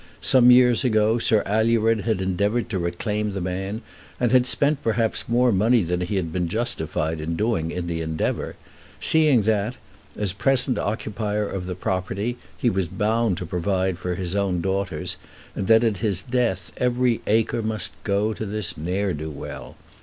Some years ago Sir Alured had endeavoured to reclaim the man, and had spent perhaps more money than he had been justified in doing in the endeavour, seeing that, as present occupier of the property, he was bound to provide for his own daughters, and that at his death every acre must go to this ne'er do well.